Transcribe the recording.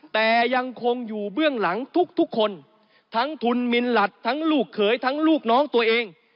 แต่ยังคงอยู่เบื้องหลังทุกคนทั้งทุนมินหลัดทั้งลูกเขยทั้งลูกน้องตัวเอง